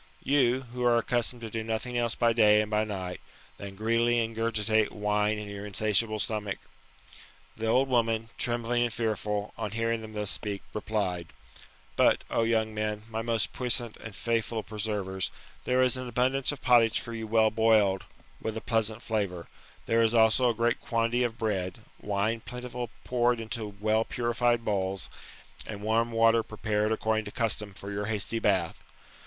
You, who are accustomed to do nothing else by day and by night, than greedily ingurgitate wine in your insatiable stomach." GOLDEN ASS, OF APULSIXJS. — BOOK IV. 55 \ The old woman, trembling and fearful, on hearing them thus speak, replied :" But, O young men, my most puissant and faithful preservers, there is an abundance of pottage for you well boiled, with a pleasant flavour. There is also a great quantity of bread ; wine plentifully poured into well purified bowls, and warm water prepared according to custom for your hasty bath."